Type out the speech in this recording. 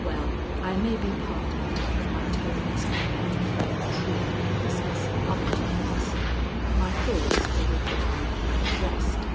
Well, I may be pardoned if my tones are not quite true in discussing other topics. My thoughts were with the one I addressed."